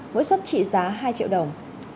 mỗi xuất trị giá hai triệu đồng